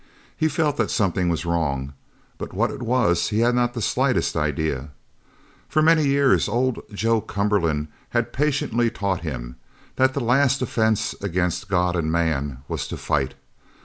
He felt that something was wrong, but what it was he had not the slightest idea. For many years old Joe Cumberland had patiently taught him that the last offence against God and man was to fight.